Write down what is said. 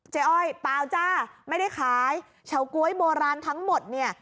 อ้อยเปล่าจ้าไม่ได้ขายเฉาก๊วยโบราณทั้งหมดเนี่ย